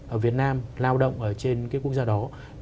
ở việt nam lao động ở trên cái quốc gia đó